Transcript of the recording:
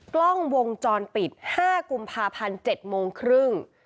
กล้องวงจรปิด๕กุมภาพันธ์๗โมงครึ่ง